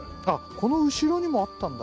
この後ろにもあったんだ